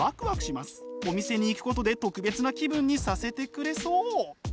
お店に行くことで特別な気分にさせてくれそう！